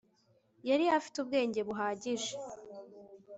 yari afite ubwenge buhagije